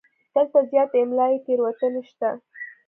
دلته زیاتې املایي تېروتنې شته.